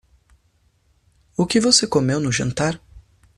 O que você comeu no jantar?